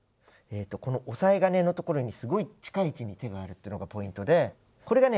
この押さえ金の所にすごい近い位置に手があるっていうのがポイントでこれがね